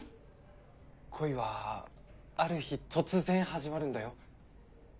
恋はある日突然始まるんだよ。